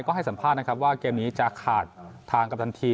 ก็ให้สัมภาษณ์นะครับว่าเกมนี้จะขาดทางกัปตันที